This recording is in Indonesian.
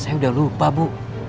saya udah lupa bu